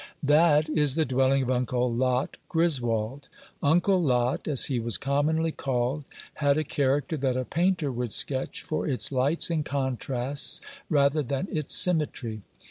That is the dwelling of Uncle Lot Griswold. Uncle Lot, as he was commonly called, had a character that a painter would sketch for its lights and contrasts rather than its symmetry.